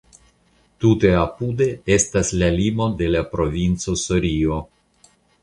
Tute apude estas la limo de la provinco Sorio.